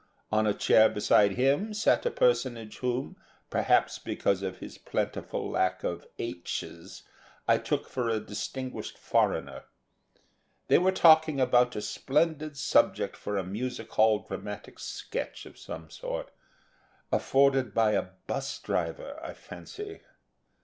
On a chair beside him sat a personage whom, perhaps because of his plentiful lack of h's, I took for a distinguished foreigner. They were talking about a splendid subject for a music hall dramatic sketch of some sort afforded by a bus driver, I fancy.